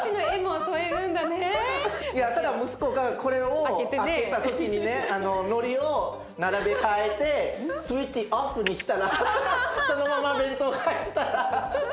いやただ息子がこれを開けた時にねのりを並べ替えてスイッチオフにしたらそのまま弁当を返したら。